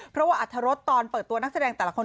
เพราะว่าอัธรสตอนเปิดตัวนักแสดงแต่ละคน